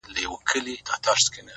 نو گراني تاته وايم”